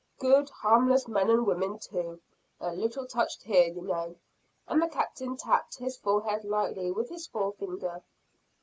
Good, harmless men and women too! A little touched here, you know," and the Captain tapped his forehead lightly with his fore finger.